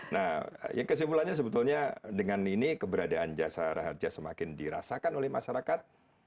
nah kesimpulannya sebetulnya dengan ini keberadaan jasa raja semakin dirasakan oleh masyarakat